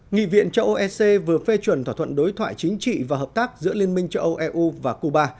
nghị viện châu âu ec vừa phê chuẩn thỏa thuận đối thoại chính trị và hợp tác giữa liên minh châu âu eu và cuba